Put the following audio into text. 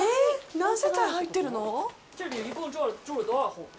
何世帯、入ってるの！？